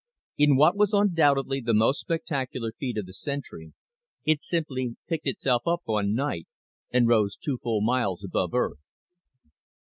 In what was undoubtedly the most spectacular feat of the century, it simply picked itself up one night and rose two full miles above Earth!